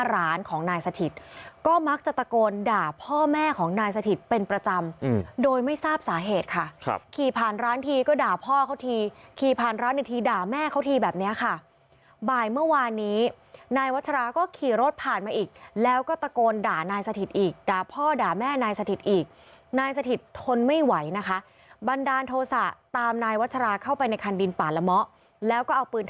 เป็นประจำอืมโดยไม่ทราบสาเหตุค่ะครับขี่ผ่านร้านทีก็ด่าพ่อเขาทีขี่ผ่านร้านอีกทีด่าแม่เขาทีแบบเนี้ยค่ะบ่ายเมื่อวานนี้นายวัชราก็ขี่รถผ่านมาอีกแล้วก็ตะโกนด่านายสถิตอีกด่าพ่อด่าแม่นายสถิตอีกนายสถิตทนไม่ไหวนะคะบันดาลโทษะตามนายวัชราเข้าไปในคันดินป่าลมะแล้วก็